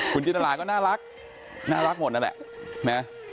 คุณจินตราก็น่ารักน่ารักหมดนั่นแหละนะ